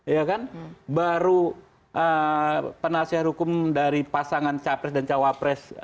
ya kan baru penasihat hukum dari pasangan capres dan cawapres